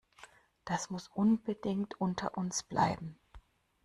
Das muss unbedingt unter uns bleiben.